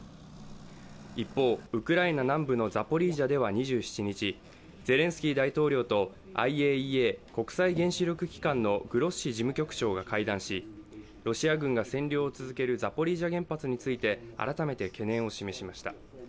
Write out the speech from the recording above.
一方、ウクライナ南部のザポリージャでは２７日、ゼレンスキー大統領とＩＡＥＡ＝国際原子力機関はグロッシ事務局長が会談し、ロシア軍が占領を続けるザポリージャ原発について改めて懸念を示しました。